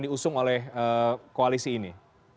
diusung oleh koalisi ini